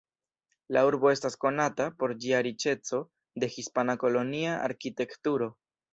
La urbo estas konata por ĝia riĉeco de hispana kolonia arkitekturo.